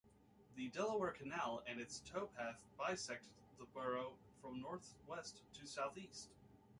The Delaware Canal and its towpath bisect the borough from northwest to southeast.